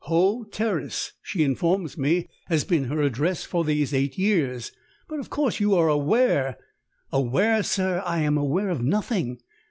Hoe Terrace, she informs me, has been her address for these eight years. But of course you are aware " "Aware, sir? I am aware of nothing.